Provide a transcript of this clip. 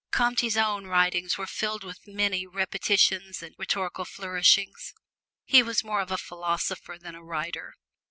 Comte's own writings were filled with many repetitions and rhetorical flounderings. He was more of a philosopher than a writer.